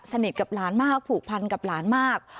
สนิทกับหลานมากผูกพันกับหลานมาก